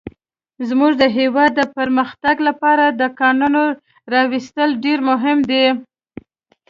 زموږ د هيواد د پرمختګ لپاره د کانونو راويستل ډير مهم دي.